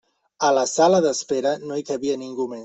A la sala d'espera no hi cabia ningú més.